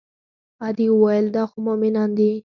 ادې وويل دا خو مومنان دي.